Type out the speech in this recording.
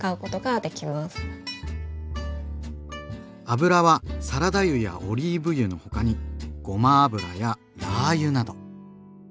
油はサラダ油やオリーブ油の他にごま油やラー油など。